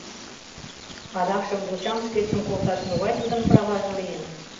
Адакшым йочам шкетшым колташ могай тудын праваже лийын?